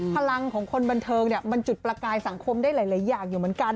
พลังของคนบันเทิงเนี่ยมันจุดประกายสังคมได้หลายอย่างอยู่เหมือนกัน